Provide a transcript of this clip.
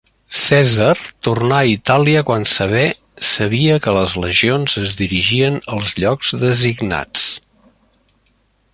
Cèsar tornà a Itàlia quan sabé sabia que les legions es dirigien als llocs designats.